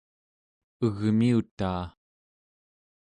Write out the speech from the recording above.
egmiutaa